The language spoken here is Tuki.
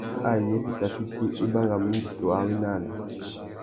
Ayé tu tà fiti, i bangamú indi tu awénana.